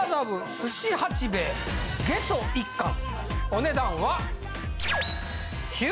お値段は。